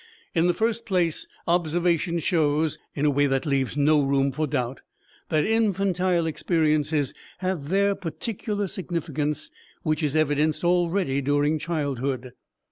In the first place, observation shows, in a way that leaves no room for doubt, that infantile experiences have their particular significance which is evidenced already during childhood.